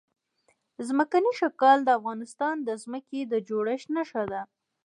ځمکنی شکل د افغانستان د ځمکې د جوړښت نښه ده.